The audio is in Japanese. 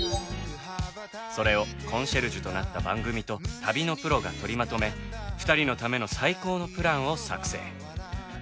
それをコンシェルジュとなった番組と旅のプロが取りまとめ２人のための最高のプランを作成。